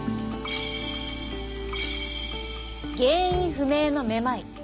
原因不明のめまい。